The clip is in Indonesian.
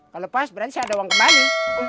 kalau pas berarti saya ada uang kembali